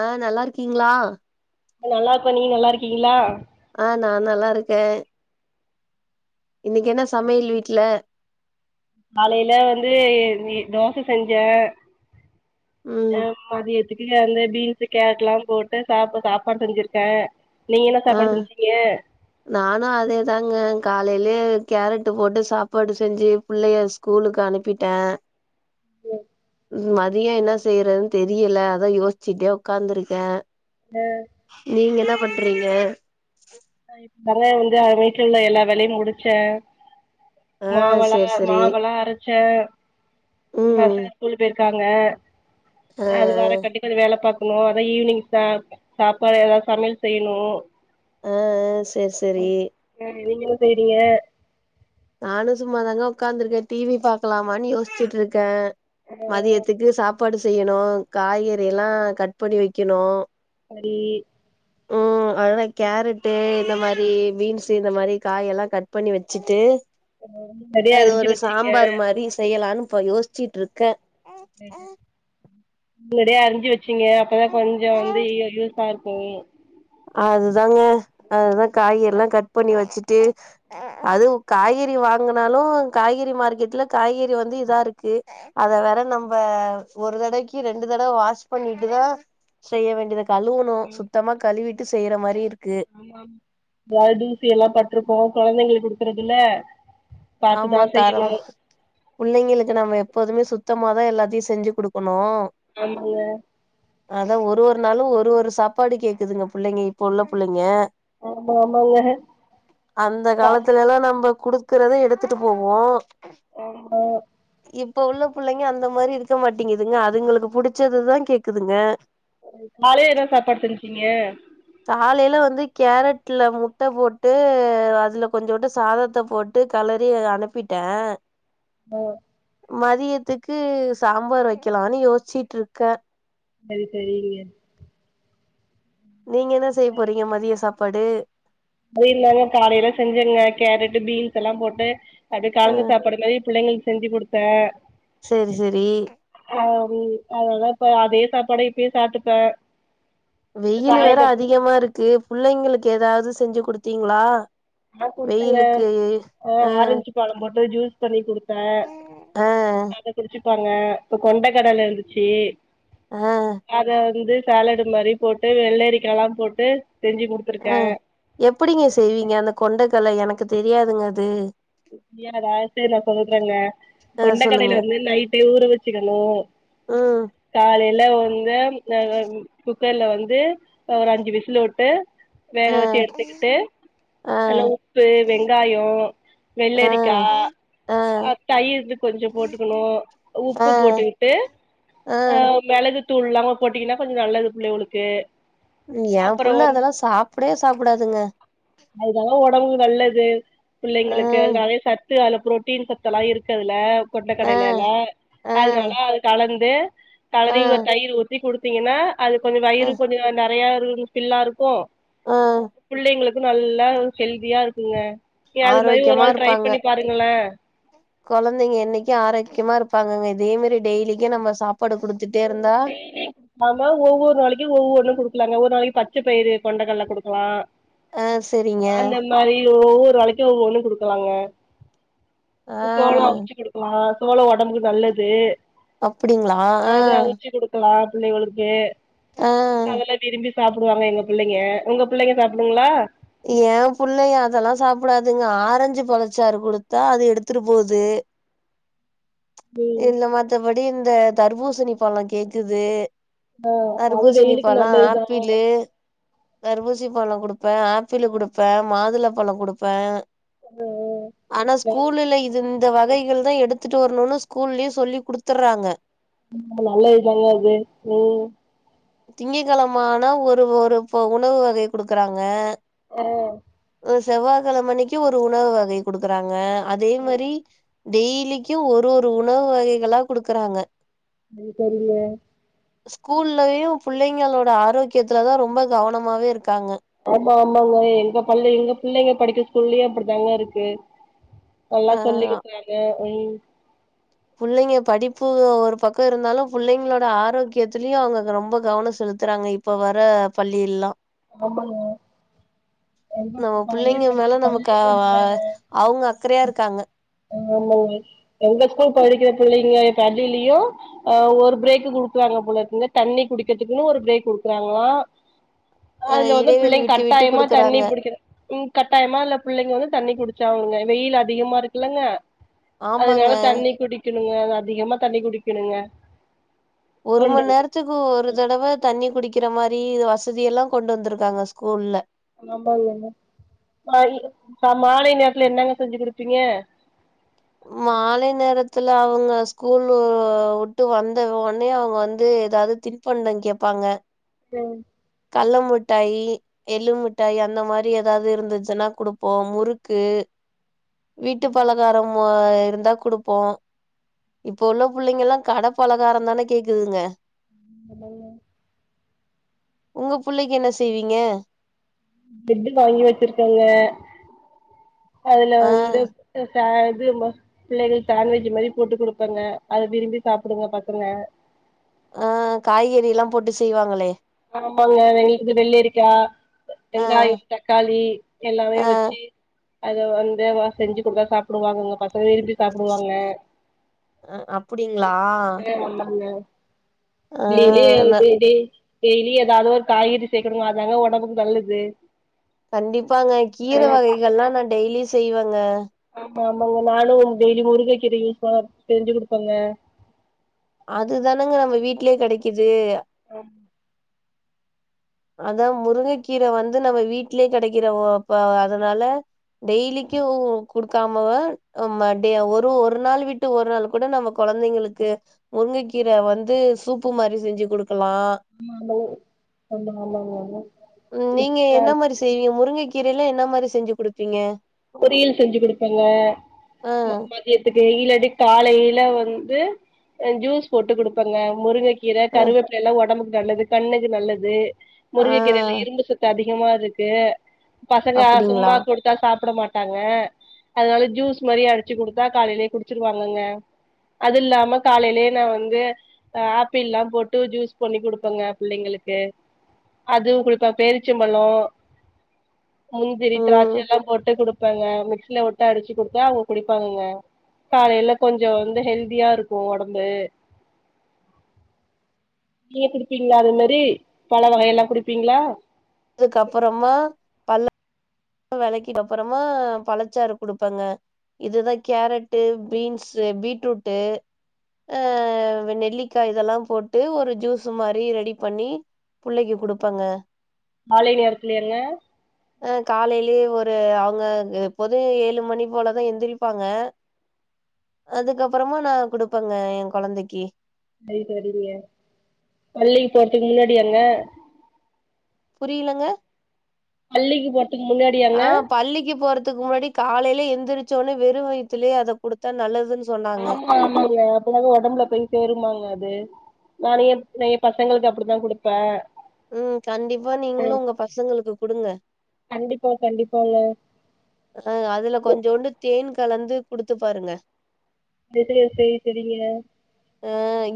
அஹ நல்லா இருக்கீங்களா நல்லா இருக்கொம் நீீங்க நல்லா இருக்கீங்களா ஆஹ நான் நல்லா இருக்கேன் இன்னைக்கு என்ன சமையல் வீட்ல காலையில வந்து தோசை செஞ்சேன் ம். ஆஹ மதியது திவ்யா வந்து பீன்ஸ் கேரட் எல்லாம் போட்டு சாப்ப சாப்பாடு செஞ்சிருக்கேன் ஆஹ நானும் அதேதாங்க காலையிலயே கேரட் போட்டு சாப்பாடு செஞ்சு பிள்ளைய ஸ்கூலுக்கு அனுப்பிட்டேன் உம் மதியம் என்ன செய்யறதுன்னு தெரியல அதான் யோசிச்சுட்டே உட்காந்துருக்கேன் நீங்க எல்லாம்ப் பண்றீங்க ப்பதான் வந்து அவ வீட்டுல உள்ள எல்லா வேலையும் முடிச்சேன் ஆ மாவழ சரி சரி. மாவழ அரச் சோர் ம். பசாங் ஸ்கூல் பேயி இருக்காங்க ஆ அது ஆ. வர கண்டிப எதோ வேலை பாக்கு ம் அத ஈவினிங் ச சாப்பாடு ஏதாவது சமையல் செய்யணும் ஆஹஹ சோரி சோரி நீங்கள செய்யறீங்க நானும் சும்மாாதாங்க உட்காந்துருக்கேன் டிவி பாக்கலாமான்னு யோசிச்சுட்டு இருக்க ஆ மதியத்துக்கு சாப் சாப்பாடு செய்யணு காய்கறிலா கட் பண்ணி வெக்கனு [inaudible] ம் அதல்லாம் கேரட்டு இந்த மாரி பீன்ஸ் இந்த மாதிரி காய எல்லாம் கட் பண்ணி வச்சிட்டு நெறைய அது அரிஞ்சு ஒரு வச்சீங்க சாம்பார் மாரி செய்யலான்னு இப்ப யோசிச்சுட்டு இருக்க ஸ்டேட்டஸ் இங்கடே அறிஞ்சு வச்சு ங்க அப்பதான் கொஞ்ஜோ வந்து யூசா இரு [unintelligible] அதுதாங்க அதுதான் காய்கறிலா கட் பண்ணி வச்சுட்டு அது காய்கறி வாங்கினாலும் காய்கறி மார்க்கெட்ல காய்கறி வந்து இதா இருக்கு அத வேற நம்ம ஒரு தடவைக்கு ரெண்டு தடவை வாஷ் பண்ணிட்டுதான் செய்ய வேண்டியத கழுவணும் சுத்தமா கழுவிட் ட்டுசெய்யற மாரி இருக் ஆமா மாதூசி எல்லாம் பட்ருக்கும் கொழந்தைங்களுக்கு குடுக்குறதுல பாத்துதா ஆமா செய்யணு தரம் புள்ளங்களுக்கு நம்ம எப்போதுமே சுத்தமாதான் எல்லா செஞ்சி குடுக்கணும் ஆமாங்க அதான் ஒரு ஒரு நாளும் ஒரு ஒரு சாப்பாடு கேக்குதுங்க புள்ளங்க இப்போ உள்ள புள்ளங்க ஆமா ஆமாங்க அந்த ஆ காலத்துல எல்லாம் நம்ப குடுக்குறத எடுத் கத்துட்டு போவோம் ஆமா இப்ப உள்ள புள்ளங்க அந்த மாரி இருக்க மாட்டேங்குதுங்க அதுங்களுக்கு புடிச்சதுதா கேக்குதுங்க காலைல என்ன சாப்பாடு செஞ்சீங்க காலையில வந்து கேரட்ல முட்ட போட்டு அதுல கொஞ்ஜோன்டு சாதத்த போட்டு கலரி அனுப்பிட்டே உஹ் மதியத்துக்கு சாம்பார் வக்கலான்னு யோசிச்சுட்டு இருக்க செரி செரிங்க நீங்க என்ன செய்ய போறீங்க மதிய சாப்ப படு அது இருந்தாங்க காலயெல்லாம் செஞ்சங்க கேரட் பீன்ஸ் எல்லாம் போட்டு அது ஆ கலந்து சாப்படு மாதிரி புள்ளங்களுக் செஞ்சி குடுத்த சேரி சேரி ஆஹ அது அதெலாம் இப்ப அதே சாப்பாட இப்பயும் சாப்பிட்டுப்பேன் வெயில் வேற அதிகமா இருக்கு புள்ளங்களுக்கு ஏதாது ச செஞ்சு குடுத்தீங்களா ஆ குடுத்தேங்க வெயிலுக்கு ஆஹ ஆ ஆரஞ்சு பழம் மட்டும் ஜூஸ் பண்ணி குடுத்தேன் ஆ அத குடிச்சு இருப்பாங்க இப்ப கொண்ட கடல இருந்துச்சு ஆ அத வந்து சேலடு மாரி போட்டு வெள்ளரிக்க எல்லாம் போட்டு செஞ்சு குடுத்துருக்கே அஹ எப்டிங்க செய்வீங்க அந்த கொண்டைக இருக்கல்ல எனக்கு தெரியாதுங்க அது தெரியாதா சேரி நா நான் சொல்றேங்க ஆ சொல்லுங்க கொண்டக்கடையில வந்து நைட்டு ஊற வச்சுக்கணும் ம் காலை நல்ல வந்து அஹ் குக்கர்ல வந்து ஒரு அஞ்சு விசில் விட்டு வேக ஆ வச்சு எடுத்துக்கிட்டு ஆ அதல்ல உப்பு வெங்காயம் ஆ வெள்ளரிக்கா ஆ அஹ் தயிர் இது கொஞ்சம் போட்டுக்கணும் ஆ உப்பு போட்டுக்கிட்டு ஆ அஹ் மெளகு தூள்ல்லாம போட்டீங்கன்னா கொஞ்சம் நல்லது பிள்ளைவளுக்கு என் அப்புறம் புள்ள வந் அதெல்லா சாப்டவே சாப்டாதுங்க அதுதாம் ஒடம்புக்கு நல்லது ஆ பிள்ளைங்களுக்கு [unintelligible] சத்து அது புரோட்டீன் சத்தெல்லாம் இருக்குஅதுல கொண்ட ஆ கடலையில்ல ஆ அதனால அது கலந் து கழறி ஒரு தைர் உத்தி குடுத் பாத்தீங்கன்னா அது கொஞ்சம் ஆ வயிறு கொஞ்சம் நெறையா பில்லா இருக்கும் ஆ புள்ளிங்களுக் நல்லா ஹெல்தியா இருக்குங்க ஒகே அதுமாரி மா இருப்பாங்க கொழந்தைங்க என்னைக்கும் ஆரோக்கியமா இருப் பாப்பங்க இதே மாரி டெய்லிக்கு நம்ம சா அதுமாரி ஒவ்வொரு நாளைக்கு ஒவ்வொன்னும் குடுக்கலாங்க ஒரு நாலைக்கு பச்ச பயிறு கொண்டக்கல்ல குடுக்கலாம் ஆஹ் செரிங்க ஒவ்வொரு நாளைக்கும் ஒவ் ஒண்ணு குடுக்கலாங்க ஆ சோளம் அவுச்சு குடுக்கலா சோளம் ஒடம்புக்கு நல்லது அப்படிங்களா அத அவுச்சி குடுக்கலாம் புள்ளைவளுக்கு ஆ அதெல்லா விரும்பி சாப்டுவாங்க எங்க பிள்ளைங்க உங்க புள்ளைங்க சாப்டுங்களா ஏன் புள்ளைய அதெல்லாம் சாப்பிடாதுங்க ஆரஞ்சு பழச்சாறு கொடுத்தா அது எடுத்துட்டு போது ம் இல்ல மத்தபடி இந்த தர்பூசணி பழம் கேக்குது ஆஹ் அது தர்பூசணி வெயிலுக்கு நல்லது தான தருபூசி பழம் கொடுப்பேன் ஆப் பிள் கொடுப்பேன் மாதுளப்பழம் கொடுப்பேன் ஆனா ஸ்கூல்ல இது இந்த வகைகள் தான் எடுத் துட்டு வரணும்னு ஸ்கூல்லயு சொல்லி குடுத்துட்றாங்க நல்லது தான அது உம் திங்கக்கிழம ஆனா ஒரு ஒரு உணவு வகை குடுக்குறாங்க உஹ் செவ்வாய் கிழம அன்னைக்கு ஒரு உணவு வகை கொடுக்குறாங்க அதே மாதிரி டெய்லிக்கும் ஒரு ஒரு உணவு வகைகளா குடுக்குறாங்க அது தெரியல ஸ்கூல்லயும் பிள்ளைங்களோட ஆரோக்கியத்துல தான் ரொம்ப கவனமாவே இருக்காங்க ஆமா ஆமாங்க எங்க பள்ளி எங்க பிள்ளைங்க படிக்கற ஸ்கூல்லயு அப்படித்தாங்க இருக்கு நல்லா ஆ சொல்லிகிறாங்க உ பிள்ளைங்க படிப்பு ஒரு பக்கம் இருந்தாலும் பிள்ளைங்களோட ஆரோக்கியத்திலயும் அவங்க ரொம்ப கவனம் செலுத்துறாங்க இப்ப வர பள்ளில்லாம் ஆமாங்க எங்க நம்ம பையன் புள்ளைங்க மேல படிக்கிற நமக்கு பள்ளியிலயு அப்படிதாங்க அவங்க அக்கறையா இருக்காங்க ஆமாங்க எங்க ஸ்கூல் படிக்கிற பிள்ளைங்க தண்டிலயும் அஹ் ஒரு பிரேக் குடுக்குறாங்க போல இருக்குங்க தண்ணி குடிக்கிறதுக்குன்னு ஒரு பிரேக் குடுக்குறாங்களா அஹ் அதுல வந்து இடைவெளி பிள்ளைங்க விட்டு விட்டு கட்டாயமா தண்ணி குடுக்குறாங்க குடிக்கனு கட்டாயமா இல்ல பிள்ளைங்க வந்து தண்ணி குடுக்க அங்க வெயில் அதிகமா இருக்குல்லங்க ஆமாங்க அதனால தண்ணி குடிக்கணும் அதிகமா தண்ணி குடிக்கணுங்க ஒரு ஒன்று மணி நேரத்துக்கு ஒரு தடவ தண்ணி குடிக்கிற மாதிரி வசதி எல்லாம் கொண்டு வந்திருக்காங்க ஸ்கூல்ல ஆமாங்க மாலை நேரத்துல என்னங்க செஞ்சு கொடுப்பீங்க மாலை நேரத்துல அவுங்க ஸ்கூலு வுட்டு வந்த உனே அவுங்க வந்து ஏதாவது தின்பண்டம் கேட்பாங்க உம் கல்ல முட்டாயி எள்ளு மிட்டாயி அந்த மாரி ஏதாவது இருந்துச்சுன்னா குடுப்போம் முறுக்கு வீட்டு பலகாரம் இருந்தா குடுப்போம் இப்ப உள்ள புள்ளைங்கலாம் கடை பலகாரம் தானே கேக்குதுங்க உஹ [unintelligible] உங்க புள்ளைக்கு என்ன செய்வீங்க பிரட்டு வாங்கி வச்சிருக்கங்க அதுல ஆ வந்து இது பிள்ளைங்களுக்கு சான்வெஜ் மாரி போட்டு குடுப்பங்க அத விரும்பி சாப்டுங்க பசங்க ஆஹ காய்கறிலாம் போட்டு செய்வாங்களே ஆமாங்க வெது வெள்ளரிக்காய் ஆ வெங்காயம் தக்காளி எல்லாமே ஆ வச்சு அத வந்து செஞ்சு கொடுத்தா சாப்டுவாங்க பசங்க விரும்பி சாப்டுவாங்க அஹ அப்டிங்களா ஆமாங்க டெய்லி அஹ ந டெ டெ டெய்லி ஏதாவது ஒரு காய்கறி சேர்க்கணுங்க அதாங்க உடம்புக்கு நல்லது கண்டிப்பாங்க கீர வகைகள்லாம் நா டெய்லி செய்வேன் அஹ ஆமா ஆமாங்க நானும் டெய்லிம் முருங்கை கீரை யூஸ் ப செஞ்சு குடுப்பங்க அதுதானங்க நம்ம வீட்லயே கெடைக்குது ஆம் அதான் முருங்கைக்கீர வந்து நம்ம வீட்லே கிடைக்கிறப்ப அதனால டெய்லிக்கும் குடுக்காம ஒரு ஒரு நாள் விட்டு ஒரு நாள் கூட நம்ம குழந்தைங்களுக்கு முருங்கைக்கீரை வந்து சூப்பு மாரி செஞ்சு கொடுக் கலாம் ஆமா ஆமா ஆ ஆமா [unintelligible] கீரையில்ல என்ன மாரி செஞ்சு கொடுப்பீங்க பொரியல் செஞ்சு கொடுப்பங்க ஆ மதியத்துக்கு டெய்லடி காலையில வந்து ஜூஸ் போட்டு குடுப்பங்க முருங்கைக் கீரை ஆ கருவேப்பிலலாம் உடம்பு நல்லது கண்ணுக்கு நல்லது ஆ முருங்ககீரல்ல இரும்பு சத்து அதிக அதிகமா இருக்கு பசங்க அப்டிங்களா சும்மா குடுத்தா சாப்ட மாட்டாங்க அதனால ஜூஸ் மாரி அடிச்சு குடுத்தா காலையிலே குடிச்சிருவாங்கங்க அது இல்லாம காலையிலே நான் வந்து ஆப்பிள்லாம் போட்டு ஜூஸ் பண்ணி குடுப்பேங்க புள்ளைங்களுக்கு அது குடிப்பா பேரிச்சம்பழம் முந்திரி ம் திராட்செல்லாம் குடுப்பங்க மிக்சில வுட்டு அடிச்சு குடுத்தா அவுங்க குடிப்பாங்கங்க காலயிலே கொஞ்சம் வந்து ஹெல்தியா இருக்கும் உடம்பு நீங்க குடுப்பீங்களா அது மாரி பழ வகையெல்லாம் குடுப்பீங்களா அதுக்கப்புறமா பல்ல வெளக்கிட்டு அப்புறமா பழச்சாறு குடுப்பங்க இதுதான் கேரட்டு பீன்ஸு பீட்ரூட்டு ஆஹ நெல்லிக்காய் இதெல்லாம் போட்டு ஒரு ஜூஸ் மாரி ரெடி பண்ணி புள்ளைக்கு குடுப்பங்க காலை நேரத்துலாங்க அஹ காலையிலயே ஒரு அவங்க சரி சரிங்க பள்ளியில் போறதுக்கு முன்னாடி அங்க புரியலங்க பள்ளிக்கு போற முன்னாடியாங்க ஆ பள்ளிக்கு போற முன்னாடி காலையில எந்திரிச்சோன வெறும் வயத்தலயே அதை கொடுத்த நல்லதுன்னு சொன்னாங்க ஆமா ஆமா அப்படின உடம்புல போய் சேருமாங்க அது நான் ஏன் பசங்களுக்கு அப்படித்தான் கொடுத்தேன் உம் கண்டிப்பா நீங்களும் உங்க பசங்களுக்கு கொடுங்க கண்டிப்பா கண்டிப்பாங்க அஹ அதுல கொஞ்சோண்டு தேன் கலந்து குடுத்து பாருங்க தெரிய [unintelligible]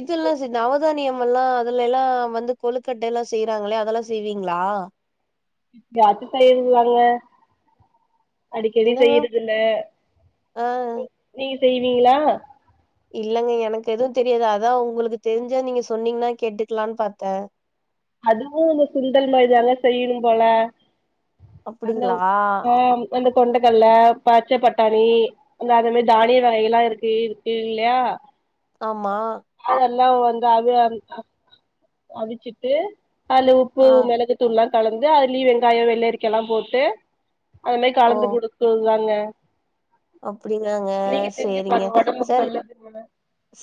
இதெல்லா செ நவதானியம் எலாம் அதுல எலாம் வந்து கொழுக்கட்ட எல்லாம் செய்றாங்களே அதெலாம் செய்வீங்களா பாத்து செய்லாங்க அடிக்கடி என்னங்க செய்றதுல ஆ நீ செய்வீங்களா இல்லங்க எனக்கு எதுவும் தெரியாது அதான் உங்களுக்கு தெரிஞ்சா நீங்க சொன்னீங்கன்னா கேட்டுக்கலான்னு பாத்தேன் அதுவும் இந்த சுண்டல் மாரிதாங்க செய்யணும் போல அந்த அப்டிங்களா ஆஹ வந்து கொண்டக்கல்ல பச்ச பட் சரி அந்த அது மாரி அ தானிய வக எல்லாம் இருக்கு சேரி [unintelligible] இல்லயா ஆமா எல்லாம் வந்து அவு அவிச்சுட்டு அதுல உப்பு ஆ மிளகுத்தூள் எலா கலந்து அதுலயு வெங்காயம் வெள்ளரிக்கா எலாம் போட்டு அதுமே கலந்து குடுக்குதாங்க [unintelligible] அப்டிங்காங்க நீங்க செஞ்சு சேரிங்க பாருங்க ஒடம்புக்கு சல் நல்லதுங்க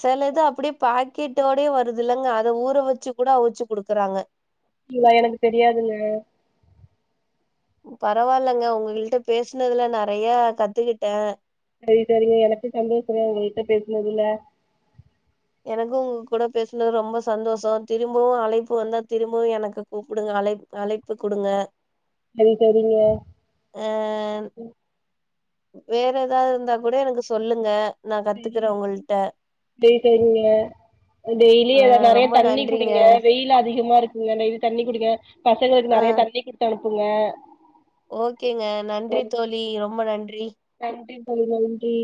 சில இது அப்டியே பாக்கெட்டோடே வருதுல்லங்க அத ஊற வச்சு கூட வச்சுஅவுச்சு குடுக்குறாங்க இவா எனக்கு தெரியாதுங்க [unintelligible] பரவால்லங்க உங்கள்ட்ட பேஸ் ன்னதுல நெறய கத்துக்கிட்டேன் செரி செரிங்க எனக்கு சந்தோசங்க உங்கள்ட்ட பேசுனதுல எனக்கும் உங்க கூடா பேசுனது ரொம்ப சந்தோஷம் திரும்பவும் அழைப்பு வந்தா திரும்பவும் எனக்கு கூப்பிடுங்க அழைப்பு குடுங்க சரி சரிங்க அ வேற எதாது இருந்தா கூட எனக்கு சொல்லுங்க நான் சரிங்க கத்துக்கறேன் உங்கள்ட்ட சரி டெய்லி அ நெறய ரொம்ப தண்ணி நன்றிங்க குடிங்க வெயில் அதிகமா இருக்கு [unintelligible] தண்ணி குடிங்க பசங்களுக்கு ஆ நெறய தண்ணி குடுத்து அனுப்புங் ருக்குங்க ஓகேங்க நன்றி தோலி ரொம்ப நன்றி நன்றி பை நன்றி